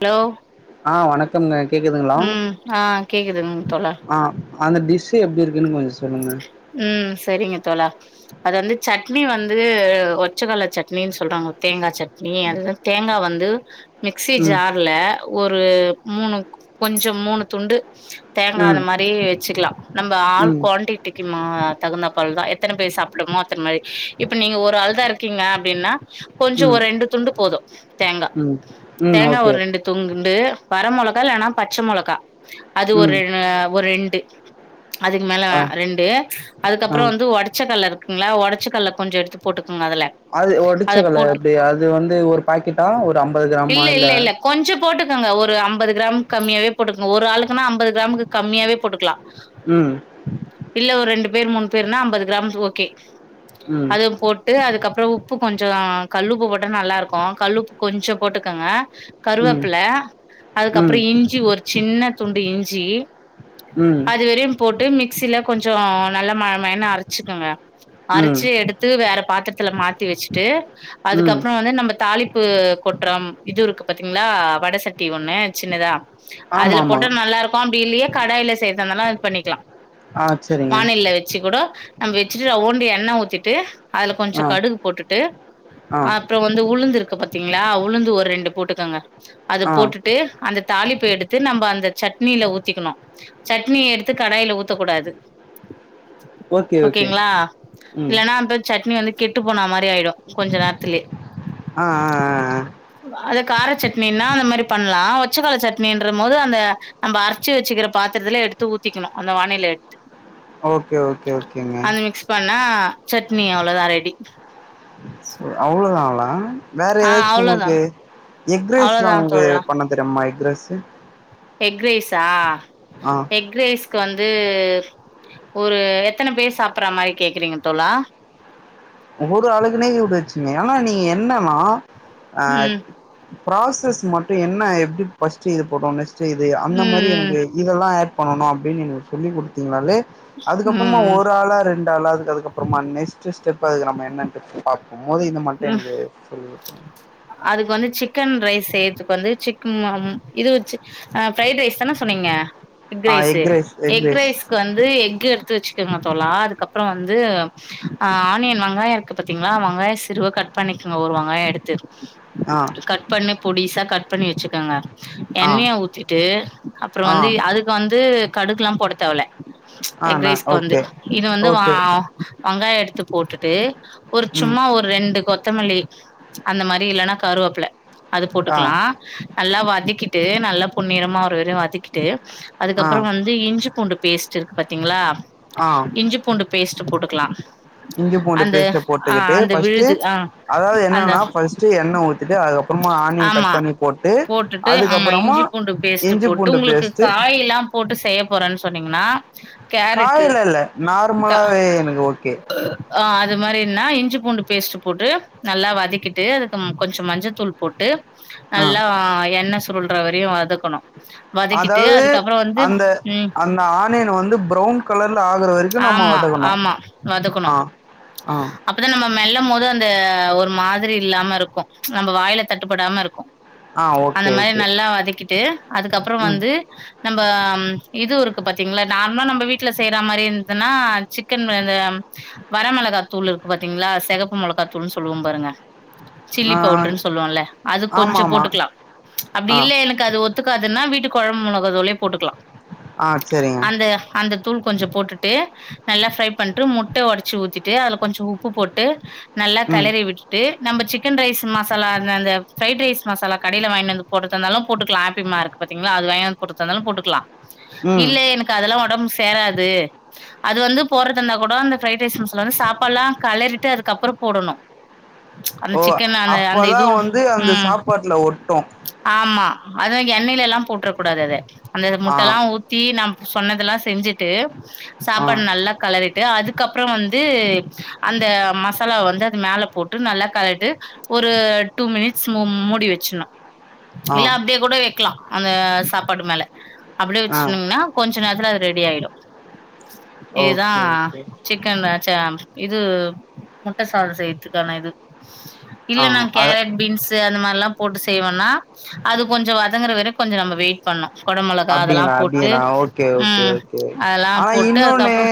Hello ஆ வணக்கம்ங்க கேக்குதுங்களா உம் ஆ கேக்குதுங் தோழா ஆ அந்த டிஷ்ஷு எப்டி இருக்குன்னு கொஞ்சோ சொல்லுங்க செரிங்க தோழா அது வந்து சட்னி வந்து ஒச்சகலை சட்னினு சொல்றாங்க தேங்கா சட்னி அது தேங்கா வந்து மிக்ஸி ம் ஜார்ல ஒரு மூனு கொஞ்சோ மூனு துண்டு தேங்கா ம் அந்த மாரி வெச்சுக்கலா நம்ம ஆள்கு ம் குவான்டிட்டிக்கு மா தகுந்தா பால் தா எத்தன பேர் சாப்டுமோ அத்தன மாதிரி இப்ப நீங்க ஒரு ஆள்தா இருக்கீங்க அப்டின்னா கொஞ்சோ ம் ஒரு ரெண்டு துண்டு போது தேங்கா ம் ம் தேங்கா ஓகே ஒரு ரெண்டு துண்டு வர மொளகா இல்லன்னா பச்ச மொளகா அது ம் ஒரு ஒரு ரெண்டு அது மேல ஆ ரெண்டு ஆ அதுக்கப்றோ வந்து ஒடச்ச கல்ல இருக் இருக்குங்ளா ஒடச்ச கல்ல கொஞ்சோ எடுத்து போட்டு அதுல அது ஒடிச்ச அத கல்ல எப்டி அது வந்து ஒரு பாக்கெட்டா ஒரு அம்பது கிராம இல்ல போட்டுக்கங்க ஒரு அம்பது கிராம் கம்மியாவே போட்டுக்கங்க ஒரு ஆளுக்குனா அம்பது கிராமுக்கு கம்மியாவே போட்டுக்கலா உம் [unintelligible] இல்ல ஒரு ரெண்டு பேர் மூனு பேருனா அம்பது கிராம் ஓகே ம் அது போட்டு அதுக்கப்ப அப்பறோ உப்பு கொஞ்சோ கல்லுப்பு போட்ட நல்லா இருக்கு கல்லுப்பு கொஞ்சோ போட்டுக்கோங்க ம் கருவேப்ல அதுக்கப்றோ ம் இஞ்சி ஒரு சின்ன துண்டு இஞ்சி ம் அதுவரையு போட்டு மிக்சியில கொஞ்சோ நல்ல மய மயனு அரச்சிக்கோங்க ம் அரச்சு எடுத்து வேற பாத்திரத்ல மாத்தி வச்சுட்டு ம் அதுக்கப்பறோ வந்து நம்ம தாளிப்பு கொற்றம் இது இருக்கு பாத்தீங்ளா வடசட்டி ஒன்னு சின்னதா ஆமா அதுல ஆமா போட்டா நல்லா இருக்கு பா அப்டி இல்லையே கடாயிலல செய்யறந்தாலா பண்ணிக்கலா ஆ செரிங்க வாநிலில வச்சு கூட நம்ம வச்சுட்டுஓண்டிய எண்ணெ ஊத்திட்டு அதுல கொஞ்சோ ஆ கடுகு போட்டுட்டு ஆ அப்புறோ வந்து உளுந்து இருக்கு பாத்தீங்களா உளுந்து ஒரு ரெண்டு போட்டுக்கோங்க அது ஆ போட்டுட்டு அந்த தாலிப்ப எடுத்து நம்ம அந்த சட்டினியில ஊத்திக்கணு சட்னிய எடு த்து கடாயில ஊத்தக்கூடாது ஓகே ஓகே ஓகேங்களா ம் இல்லன்னா அப்ப சட்னி வந்து கெட்டு போனா மாரி ஆயிடு கொஞ்ச நேரத்துலயே ஆ ஆ ஆ அது கார சட்னின்னா அந்த மாதிரி பண்ணலா ஒச்சக்கல சட்னின்ற போது அந்த நம்ம அரைச்சு வச்சிக்கிற பாத்திரத்துல எடுத்து ஊ த்திக்கணு அந்த வானையில எடுத்து ஓகே ஓகே ஓகேங்க அந்த மிக்ஸ் பண்ணா சட்னி அவ்வளோதா ரெடி அவ்வளோதா ப வேற ஆ ஏதாச்சு உங்களுக்கு அவ்ளோதான். எக்ஸ் ரைஸ் எல்லா அவ்ளோதான் உங்களுக்கு பண்ண தெரியமா ட்ரெஸ்சு எக்ரைசா எக்ரைஸ்க் வந்து து ஒரு எத்தன பேர் சாப்பற மாதிரி கேக்குறீங்க தோழா ஏன்னா நீங்க என்னன்னா ஆ ம் ப்ராசஸ் மட்டு என்ன எப்டி ஃபஸ்ட்டு இது போட்டோன்ன செய்து அந்த மாதிரி எங்க ம் இதெல்லா பண்ணனு அப்டின்னு எனக்கு சொல்லி கொடுத்தீங்கனாலே அதுக்க ம் அப்புறமா ம் ஒரு ஆளா ரெண்டு ஆளா அதுக்கு அதுக்கப்புறமா நெக்ஸ்ட் ஸ்டெப் ப்பா அதுக்கு நம்ம என்னன்ன பிரிச்பாப்போ ஒம்போது இந்த ம் மட்டேங்குது [unintelligible] செயருத்துக்கு வந்து சிக் மம் இது வச்சு ஃபிரைட் ரைஸ் தானே சொன்னீங்க எக் ரைஸ் எக் ரைஸ்க்கு வந்து எக் து எடுத்து வச்சுக்கோங்க தோழா அதுக்கப்புறோ வந்து அ ஆனியன் வெங்காயோ இருக்கு பார்த்தீங்களா வெங்காயோ திரும்ப கட் பண்ணிக்கங்க ஒரு வெங்காயோ எடுத்துரு ஆ கட் பண்ணு பொடிசா கட் பண்ணி வச்சிக்கங்க ஆ எண்ணய ஊத்திட்டு அப்புறோ ஆ வந்து அதுக்கு வந்து கடுகெல்லா போடத்தேவல்ல ஆ நா எக்ரைஸ்க்கு வந்து ஓகே இது வந்து வா ஓகே ஒங்காயோ எடுத்து போட்டுட்டு ஒரு ம் சும்மா ஒர் கொத்தமல்லி அந்த மாரி இல்லன்னா கருவப்பல அது ஆ போட்டுக்கலா நல்லா வதக்கிட் ட்டு நல்லா பொன்னிறமா வரு வர வதக்கிட்டு ஆ அதுக்கப்புறோ வந்து இஞ்சி பூண்டு பேஸ் ச்சிக் பாத்தீங்களா ஆ இஞ்சி பூண்டு பேஸ்ட் போட்டுக்கலா இஞ்சி பூண்டு அந்த பேஸ்ட்ட ஆ போட்டுக்கிட்டு அந்த பஸ்ட் விழுது ஆ அதாது அந்த என்னான பஸ்ட் எண்ணெ ஊத்திட்டு அதுக்கப்பறமா ஆனியன் கட் ஆமா பண்ணி போட்டு போட்டுட்டு ஆமா அதுக்கப்பறமா இஞ்சி பூண்டு பேஸ்ட் இஞ்சி போட்டு பூண்டு உங்களுக்கு பேஸ்ட்ட் னிங்கன்னா காலைல இல்ல நார்மலாவே எனக்கு ஓகே இது மாரினா இஞ்சி பூண்டு பேஸ்ட் போட்டு நல்லா வதக்கிட்டு அதுக்கு கொஞ்சம் மஞ்சத்தூள் போட்டு ஆ நல்லா எண்ண த்லுல்ற வரையு வதக்கணு அதாவது அந்த ம் அந்த ஆனியன் வந்து ப்ரவுன் ல்ல ஆகுற வரைக்கு நம்ம ஆமா, வதக்கணு ஆமா ஆ ஆ மெல்லும் போது அந்த ஒரு மாதிரி இல்லாம இருக்கு நம்ம வாயில தட்டுப்படாம இருக்கு ஆ அந்த ஓகே மாரி ஓகே நல்லா வதக்கிட் ட்டு அதுக்கப்புறோ ம் வந்து நம்ம இதுவு இருக்கு பாத்தீங்களா நார்மலா நம்ம வீட்ல செய்ற மாரி த்ன்னா சிக்கன் இந்த வரமிளகாத்தூள் இருக்கு பாத்தீங்களா செகப்பு மொளகாத்தூள்ன்னு சொல்லுவோ பாருங்க ஆ சில்லி பவுடர்ன்னு சொல்லுவோல்ல அது ஆமா கொஞ்சோ ஆமா போட்டுக்கலா அப்பிடி ஆ இல்ல எனக்கு அது ஒத் ஒத்துக்காதுன்னா வீட்டு கொழம்பு மிளகாத்தூளே போட்டுக்கலா ஆ செரிங்க அந்த அந்த தூள் கொஞ்ச போட்டுட் டு நல்லா ஃப்ரை பண்ட்டு முட்ட ஒடைச்சு ஊத்திட்டு அதுல கொஞ்ச உப்பு போட்டு நல்லா ம் கெளறி விட்டுட்டு நம்ம சிக்கன் ரைஸ் மசாலா அந்த அந்த ஃப்ரைட் ரைஸ் மசாலா கடைல வாங்கினு வந்து போட்றதா இருந்தாலு போட்டுக்கலா ஆப்பிமா இருக்கு பாத்தீங்களா அது வாங்கினு வந்து போட்றதா இருந்தாலு போட்டுக்கலா ம் இல்ல எனக்கு அதெல்லா ஒடம்ப் க்கு சேராது அது வந்து போட்றதா இருந்தா கூடோ அந்த ஃப்ரைட் ரைஸ் மசாலா வந்து சாப்பாடுலா கெளறிட்டு அதுக்கப்புறோ போடணு ஓ அப்பதா வந்து அந்த ம் சாப்பாட்ல ஒட்டு அத எண்ணைல எல்லா போட்ற கூடாது அத அந்த ஆ முட்டலா ஊத்தி நம் சொன்னதெல்லா செஞ்சுட்டு ஆ சாப்பாடு நல்லா கெளறிட் டு அதுக்கப்றோ வந்து அந்த மசாலா வந்து அது மேல போட்டு நல்லா கெளறிட்டு ஒரு டூ மினிட்ஸ் மூ மூடி வெச்சர்ணு ஆ இல்ல அப்டியே கூட க்கலா அந்த சாப்பாடு மேல அப்டியே ஆ வெச்சிட்ருந்தீங்கனா கொஞ்ச நேரத்தில அது ரெடி ஆயிடு [inaudible] இதுதா ஓகே ஓகே சிக்கன் ஆச்ச இது முட்ட சாதோ செய்றதுக்கான இது ஆ இல்லனா அ கேரட் பீன்ஸு அந்த மாரல்லா போட்டு செய்வன்னா அது கொஞ்சோ வதங்கற வர கொஞ்ச நம்ம வெயிட் பண்ணணு கொடமெளகா அது எல்லா அப்டிங்களா போட்டு அப்டிங்களா ஓகே ஓகே ம் ஓகே அதெல்லா ஆனா போட்டு இன்னொன்னு அதுக்கப்றோ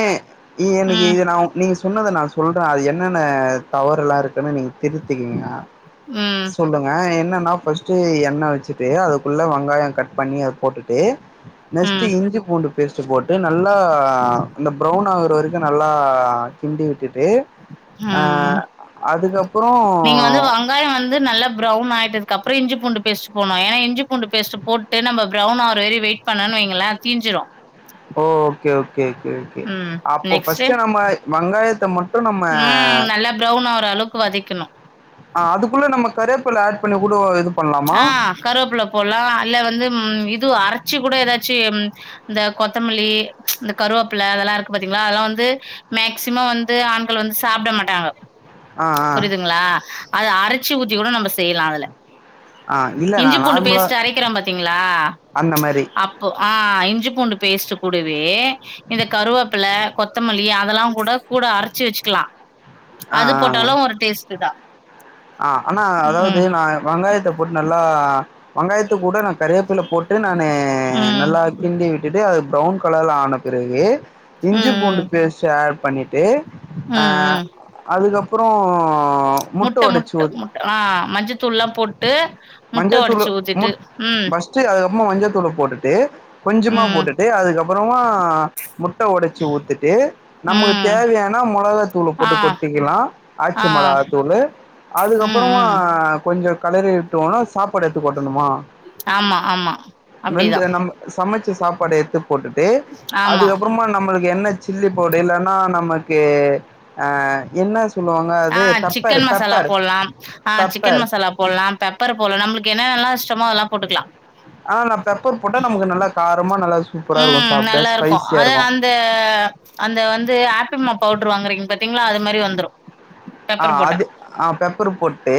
எனக்கு ம் இது நா நீங்க சொன்னத நா சொல்றே அது என்னென்ன தவறெல்லா இருக் குன்னு நீங்க திருத்திக்கிங்க ம் சொல்லுங்க என்னன்னா ஃபஸ்ட்டு எண்ண வச் சிட்டு அதுக்குள்ள வெங்காயோ கட் பண்ணி அத போட்டுட்டு நெக்ஸ்ட்டு ம் இஞ்சி பூண்டு பேஸ்ட்டு போட்டு நல்லா இந்த ப்ரௌன் ஆகுற வரைக்கு நல்லா கிண்டி விட்டுட்டு ஆ ம் அதுக்கப்புறோ நீங்க வந்து வங்காயோ வந்து நல்லா ப்ரௌன் ஆயிட்டு க்க அப்புறோ இஞ்சி பூண்டு பேஸ்ட் போனு ஏன்னா இஞ்சி பூண்டு பேஸ்ட் போட்டு நம்ம ப்ரேன்னாவரை வெயிட் பண்ண வைங்களா தீஞ்சிரு ஓ ஓகே ஓக் கே கே கே ம் அப்போ நெக்ஸ்ட்டு பஸ்ட்டு நம்ம வங்காயத்த மட்டு நம்ம ம் நல்லா ப்ரௌன் ஆவுற அளவுக்கு வதக்கணு ஆ அதுக்குள்ள நம்ம கரவேப்பிள்ள ஆட் பண்ணி கூடோ இதுப் ஆ கருவேப்புள்ள போலா அல்ல வந்து இதுவு அர ச்சி கூட எதாச்சி இந்த கொத்தமல்லி இந்த கருவேப்பில்ல அதல்லா இருக்கு பாத்தீங்களா அதெல்லாம் வந்து மேக்சிமம் வந்து ஆண்கள் வந்து சாப்பிட மாட்டாங்க ஆ ஆ புரியுதுங்களா அத அரச்சி ஊத்தி கூட நம்ம ஸ் செய்யலா அதல ஆ இல்ல நா இஞ்சி பூண்டு நார்மலா பேஸ்ட் அரக்கிற பாத்தீங்களா அந்த மாரி அப்போ அ இஞ்சி பூண்டு பேஸ்ட் கூடவே இந்த கருவேப்பில கொத்தமல்லி அதெல்லா கூட கூட அரைச்சி வச்சிக்கலா ஆ ஆ அது போட்டாலு ஆ ஒரு டேஸ்ட்தா ஆ ஆனா அதாவது நா வங்காயத்த போட்டு நல்லா வங்காயத்த கூட நா கரவேப்பில போட்டு நானு ம். ம். நல்லா கிண்டி விட்டுட்டு அது ப்ரௌன் கலர்ல ஆன பிறகு இஞ்சி பூண்டு ம். பேஸ்ட் ஆட் பண்ணி தே அ ம். ம். அதுக்கப் ப்புறோ முட்ட முட்ட முட்ட ஆ மஞ்ச தூள்ளா போட்டு முட்ட மஞ்சள்தூள் ஒடச்சு ஊத்திட்டு முட் ம் பஸ்ட் அத ம்மோ மஞ்சத்தூள போட் ட்டு கொஞ்சமாக ம் போட்டுட்டு அதுக்கப்புறமா முட்ட ஒடச்சி ஊத்துட்டு நமக்கு ம் தேவையான மொளகத்தூள் ஆ போட்டு கொட்டிக்கலா ஆ ஆச்சி மொளகாய்த்தூளு ம் அதுக்கப்புறமா ம் கொஞ்ச கலர் டோனாஸ் சாப்பாடு எத்துக்கொட்டணுமா ஆமா ஆமா அப்டிதா வெந்து நம்ம சமச்ச சாப்பாடு எத்துப் போட்டுட்டு ஆமா அதுக்கப்புறமா நம்மளுக்கு என்ன சில்லி பவுடு இல்லன்னா நமக்கு அ என்ன சொல்லுவாங்க ஆ அது பெப்பர் சிக்கன் மசாலா பெப்பர் போலாம் ஆ சிக்கன் பெப்பர் மசாலா போலாம் பெப் ப்பர் போலா நம்மளுக்கு என்னனெல்லா இஷ்டமோ அதல்லா போட்டுக்கலா ஆ நா பெப்பர் போட்டா நமக்கு நல்லா காரமா நல்லா சூப்பரா இருக்கு ம் சாப்ட நல்லா இருக்கு ஸ்பைசியா அத அந்த அந்த வந்து ஆப்பிமா பவுடரு வாங்குறீங்க பாத்தீங்களா அது மாரி வந்துரு ஆ பெப்பர் போட்டா அது ஆ பெப்பரு போட் ட்டு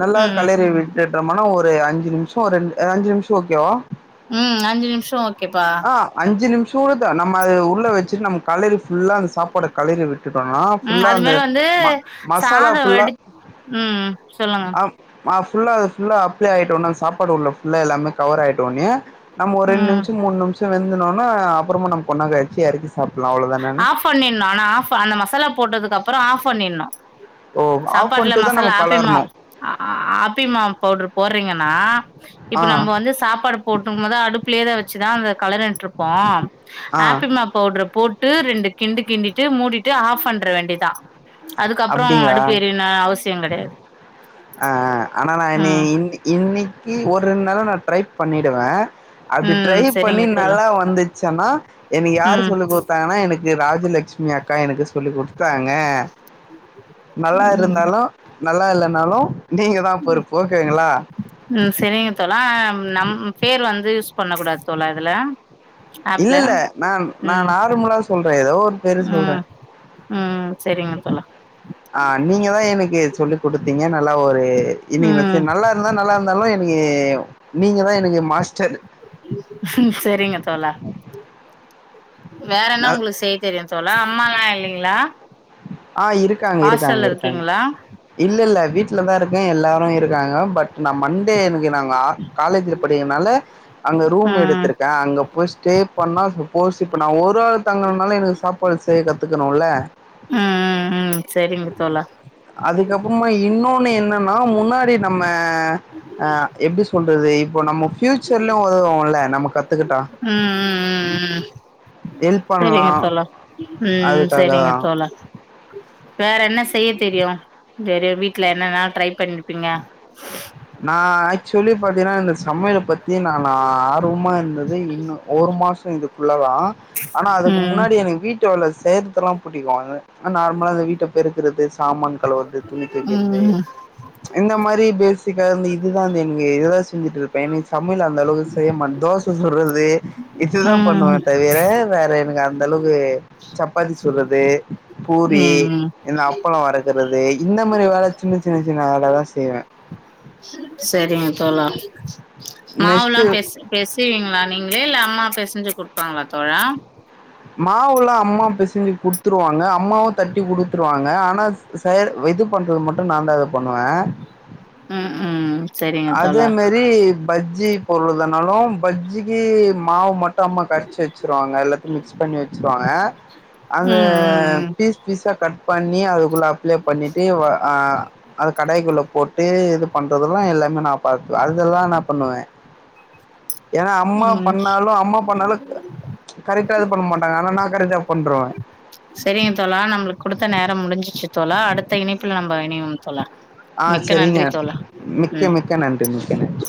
நல்லா ம் களறி விட்டுடமனா ஒரு ஒரு அஞ்சு நிமிஷம் ரெண்டு அஞ்சு நிமிஷம் ஓகேவா ம் அஞ்சு நிமிஷம் ஓக் ஆ அஞ்சு நிமிஷ் சூடுதா நம்ம அது உள்ள வச்சிட்டு நம்ம கலறி ஃபுல்லா அந்த சாப்பாடு கலறி விட் ம் அது மேரி வந்து மசாலா சாத ஃபுல்லா வடி ம் சொல்லுங்க மா ஃபுல்லா அது ஃபுல்லா அப்ளே ஆகிட்டோன்ன சாப்பாடு உள்ள ஃபுல்ல எல்லாமே கவர் ஆயிடோனே நம் ஒரு ரெண்டு ம் நிமிஷ் மூனு நிமிஷோ வெந்துனோன்னே அப்புறமா நம்ம கொன்னேறோ கழிச்சியா இருக்கு ச ஆஃப் பண்ணினு ஆனா ஆஃப் அந்த மசாலா போட்டதுக் க்கப்புறோ ஆஃப் பண்ணினு ஓ ஆஃப் சாப்பாட்ல பண்ட்டுதா மசாலா நம்ம ஆப்பிமா கெளறணு அ அ ஆப்பிமா பவுடர் போறீங்கன்னா இப்ப ஆ நம்ம வந்து சாப்பாடு போட்டுமதா அடுப்புலேதா வச்சிதா அந்த கலரன்ட்டுபோ ஆ ஆப்பிமா பவுடர் போட் ட்டு ரெண்டு கிண்டு கிண்டிட்டு மூடிட்டு ஆஃப் பண்ற வேண்டிதா அதுக்கப்புறோ அப்டிங்களா அடுப்பு எறியனு அவசியோ கெடையாது ஆ ஆ ஆனா நீ ம் இன்னி இன் இன்னிக்கு ஒரு ரெண்டு நாள நா ட்ரை பண்ணிடுவே அப்பிடி ட்ரை ம் பண்ணி செரிங்க தோழா நல்லா வந்துச்சன்னா எனக்கு யார்ரு ம் சொல்ல குத்தாங்கன்னா எனக் இக் ராஜலெஷ்சுமி அக்கா எனக்கு சொல்லி் குடுத்தாங்க நல்லா இருந்தாலு நல்லா இல்லனாலு நீங்க தா பொறுப்பு ஓகேங்களா உம் செரிங்க தோழா நம் பேர் வந்து யூஸ் பண்ண கூடாது தோழா இதுல இல்ல ஆப்ல இல்ல நா நா ம் நார்மலா சொல்றே ஏதோ ஒரு பேரு சொல்றே ம் ம் சரிங்க தோழா ஆ நீங்க தா எனக்கு சொல்லி குடுத்தீங்க நல்லா ஒரு ம் இன்னைக்கு நல்லா இருந்தா நல்லா இருந்தாலு என்ன ப்பக்கி நீங்க தா எனக்கு மாஸ்டர் சரிங்க தோழா வேற என்ன நா ஒங்களுக்கு செய்ய தெரியு தோழா அம்மால்லா இல்லைங்ளா ஆ இருக்காங்க இருக்காங்க இருக்காங்க இருக்கீங்களா இல்ல இல்ல வீட்லதா இருக்கே எல்லாரு இருக்காங்க பட் நா மண்டே எனக்கு நாங்க காலேஜ்ல படிக்கறனால அங்கே ரூம் ம் எடுத்திருக்கே அங்க போய் ஸ்டே பண்ணா சப்போஸ் இப்ப நா ஒரு ஆள் தங்கணும்னாலு எனக்கு சாப்பாடு செய்ய கத்துக்கனுல்ல ம் ம் ம் சரிங்க தோழா அதுக்கப்பறமா இன்னொன்னு என்னன்னா முன்னாடி நம்ம ஆ எப்டி சொல்றது இப்ப நம்ம பியூச்சர்ல உதவோம்ல நம்ம கத் உம் உம் உம் உம் ஹெல்ப் பண்லா செரிங்க தோழா உம் அதுக்காக செரிங்க தா தோழா வேற என்ன செய்ய தெரியு வேற வீட்ல என்னன்னால ட்ரை பண்ணிருப்பீங்க நா ஆக்சுவலி பாத்தீனா இந்த சமயல பத்தி நானு சும்மா இருந்தது இன்னு ஒரு மாசோ ச [unintelligible] உள்ளதா ஆனா அதுக்கு ம் முன்னாடி எனக்கு வீட்டு வேல சேத்தெல்லா பூட்டிக்வாங்க நார்மலா இந்த வீட்ட பெருக்குறது சாமான் கழுவுறது துணி துவைக்குறது ம் இந்த மாதிரி பேஸ் வீட்ல வந்து இதுதா செஞ்சுட்டு இருப்பே சமையல் அந்த அளவுக்கு செய்ய மாட்ட தோச சுட்றது இதுதா ம் பண்ணுவே ம் தவிர வேற எனக்கு அதெ அந்த அளவுக்கு சப்பாத்தி சுட்றது பூரி ம் இந்த அப்பள வரக்குறது இந்த மாதிரி வேல சின்ன சின்ன சின்ன வேலதா செய்வே சரிங்க தோலா நெக்ஸ்ட்டு மாவுல்லா பெஸ பெஸவீங்களா நீங்க வேல அம்மா பெஸஞ்சு குடுப்பாங்களா தோழா மாவுல அம்மா பெஸஞ்சு குடுத்துருவாங்க அம்மாவு தட்டி குடுத்துருவாங்க ஆனா செய விது பண்றது மட்டு நா தா இது பண்ணுவே உ உ அதே மாரி பஜ்ஜி பொருளுத னாலு பஜ்ஜி இ மாவு மட்டு அம்மா கரைச்சி வச்சுருவாங்க எல்லாத்தையு மிக்ஸ் பண்ணி வச்சுருவாங்க அந்த ம் ம் பீஸ் பீஸாக கட் பண்ணி அதுக்குள்ளே அப்ளே பண்ணிட்டு ஆ அத கடாய்க்குள்ள போட்டு இது ப பண்றதெல்லாம் இல்ல நா பாத்த அதெல்லா நா பண்ணுவே ஏன்னா அம்மா ம் ம் பண்ணாலு அம்மா பண்ணாலு கரெக்டா இது பண்ண மாட்டாங்க ஆனா நா கரெக்டா பன்றுவே சரிங்க தோலா நம்மளுக்கு குடுத்த நேரம் முடிஞ்சிச்சு தோலா அடுத்த இணைப்புல நம் ல இனைவோ தோலா ஆ சரிங்க மிக்க மிக்க நன்றி மிக்க நன்றி